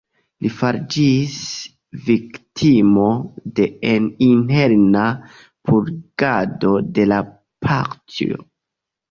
Li fariĝis viktimo de interna 'purigado' de la partio.